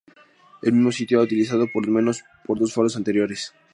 El mismo sitio ha utilizado por los menos por dos faros anteriores.